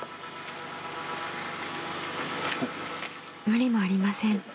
［無理もありません］